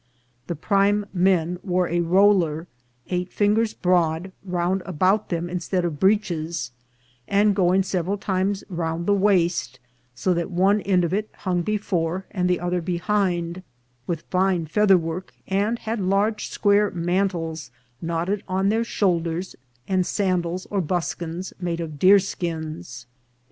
" The prime Men wore a Rowler eight Fingers broad round about them instead of Breeches, and going sev eral times round thg Waste, so that one end of it hung* before and the other behind, with fine Feather work, and had large square Mantles knotted on their Shoulders, and Sandals or Buskins made of Deer's Skins."